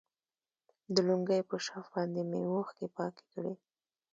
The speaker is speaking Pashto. د لونگۍ په شف باندې مې اوښکې پاکې کړي.